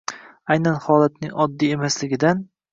Aynan holatning oddiy emasligidan –